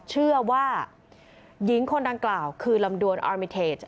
เชื่อว่าหญิงคนดังกล่าวคือลำดวนออนมิเทจ